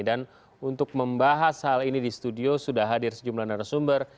dan untuk membahas hal ini di studio sudah hadir sejumlah narasumber